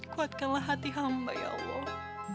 kuatkanlah hati hamba ya allah